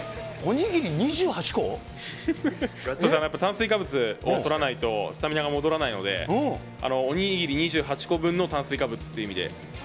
やっぱり炭水化物をとらないとスタミナが戻らないので、お握り２８個分の炭水化物っていう意味で。